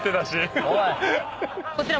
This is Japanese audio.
こちら。